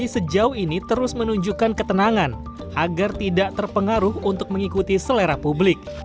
sejauh ini terus menunjukkan ketenangan agar tidak terpengaruh untuk mengikuti selera publik